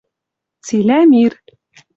цилӓ мир.